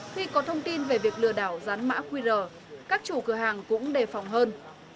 khi có thông tin về việc lừa đảo dán mã qr các chủ cửa hàng cũng đề phòng hơn